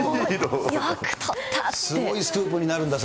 すごいスクープになるんだ。